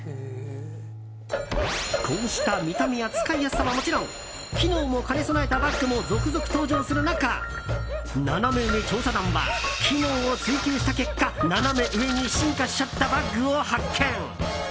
こうした見た目や使いやすさはもちろん機能も兼ね備えたバッグも続々登場する中ナナメ上調査団は機能を追求した結果ナナメ上に進化しちゃったバッグを発見。